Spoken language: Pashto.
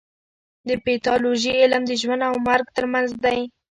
د پیتالوژي علم د ژوند او مرګ ترمنځ دی.